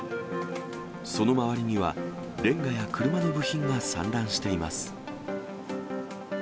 その周りには、レンガや車の部品が散乱しています。